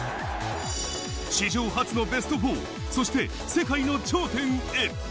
史上初のベスト４、そして世界の頂点へ。